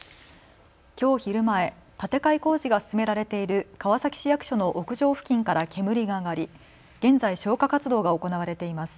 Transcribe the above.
きょう昼前、建て替え工事が進められている川崎市役所の屋上付近から煙が上がり現在、消火活動が行われています。